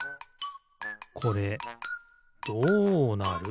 これどうなる？